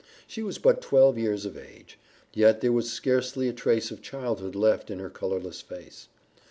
She was but twelve years of age, yet there was scarcely a trace of childhood left in her colorless face.